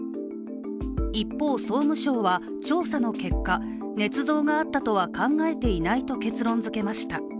一方、総務省は調査の結果、ねつ造があったとは考えていないと結論づけました。